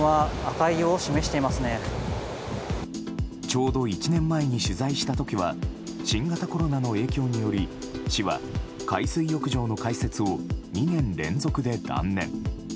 ちょうど１年前に取材した時は新型コロナの影響により市は、海水浴場の開設を２年連続で断念。